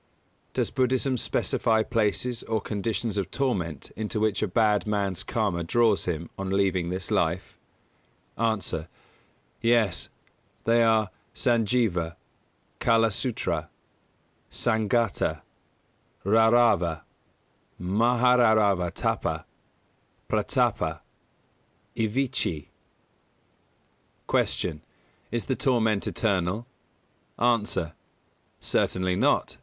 Does Buddhism specify places or conditions of torment into which a bad man's Karma draws him on leaving this life? A. Yes. They are: Sanjīva; Kālasūtra; Sanghāta; Raurava; Mahā Raurava Tāpa; Pratāpa; Avīchi. 222. Q. Is the torment eternal? A. Certainly not.